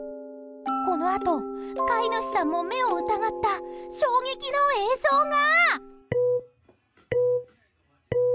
このあと、飼い主さんも目を疑った衝撃の映像が。